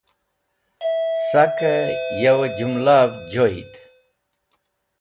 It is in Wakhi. Sakẽ yo jũmalavẽ joyd